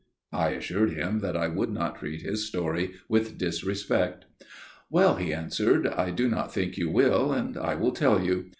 I assured him that I would not treat his story with disrespect. "Well," he answered, "I do not think you will, and I will tell you.